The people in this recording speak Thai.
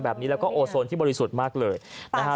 แบบนี้แล้วก็โอโซนที่บริสุทธิ์มากเลยนะฮะ